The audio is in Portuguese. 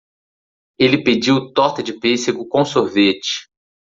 Ele pediu torta de pêssego com sorvete.